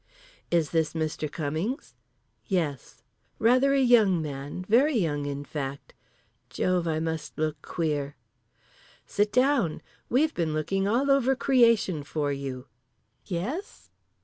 "Is this Mr. Cummings?" "Yes." Rather a young man, very young in fact. Jove I must look queer. "Sit down! We've been looking all over creation for you." "Yes?"